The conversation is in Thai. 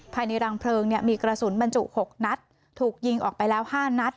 ภายในรังเพลิงเนี่ยมีกระสุนบรรจุ๖นัดถูกยิงออกไปแล้ว๕นัด